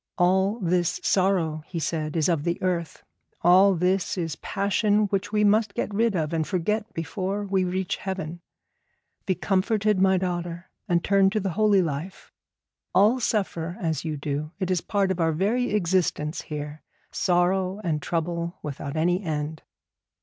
All this sorrow,' he said, 'is of the earth. All this is passion which we must get rid of, and forget before we reach heaven. Be comforted, my daughter, and turn to the holy life. All suffer as you do. It is part of our very existence here, sorrow and trouble without any end.'